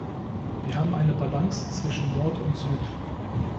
Wir haben eine Balance zwischen Nord und Süd.